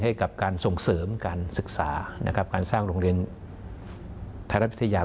ให้กับการส่งเสริมการศึกษานะครับการสร้างโรงเรียนไทยรัฐวิทยา